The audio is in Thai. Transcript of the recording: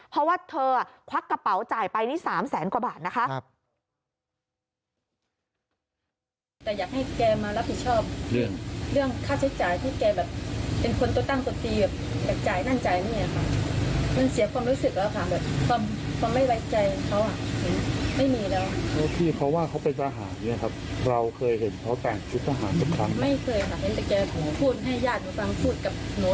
เพราะว่าเธอควักกระเป๋าจ่ายไปนี่๓แสนกว่าบาทนะคะ